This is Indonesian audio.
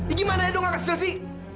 ini gimana edo gak kesel sih